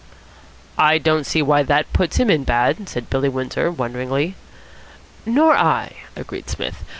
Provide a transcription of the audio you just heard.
"I don't see why that puts him in bad," said Billy Windsor wonderingly. "Nor I," agreed Psmith.